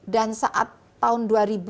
dan saat tahun dua ribu dua puluh dua